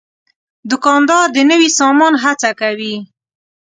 دوکاندار د نوي سامان هڅه کوي.